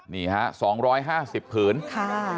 นี่ฮะ๒๕๐ผืนค่ะ